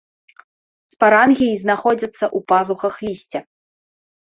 Спарангіі знаходзяцца ў пазухах лісця.